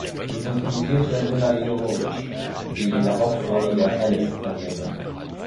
Sie synchronisierte Milla Jovovich, die in der Hauptrolle der "Alice" agierte.